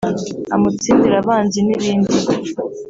amutsindire abanzi n’ibindi